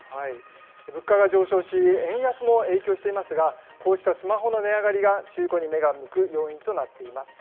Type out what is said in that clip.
物価が上昇し、円安も影響していますが、こうしたスマホの値上がりが中古に目が向く要因となっています。